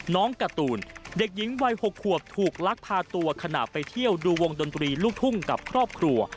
การ์ตูนเด็กหญิงวัย๖ขวบถูกลักพาตัวขณะไปเที่ยวดูวงดนตรีลูกทุ่งกับครอบครัว